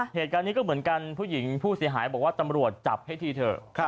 เหตุการณ์นี้ก็เหมือนกันผู้หญิงผู้เสียหายบอกว่าตำรวจจับให้ทีเถอะ